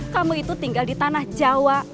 kamu itu tinggal di tanah jawa